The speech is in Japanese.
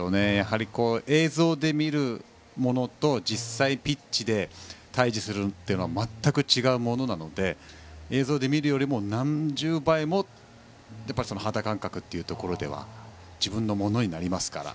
映像で見るものと実際、ピッチで対峙するのは全く違うものなので映像で見るよりも何十倍も肌感覚というところでは自分のものになりますから。